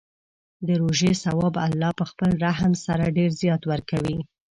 د روژې ثواب الله په خپل رحم سره ډېر زیات ورکوي.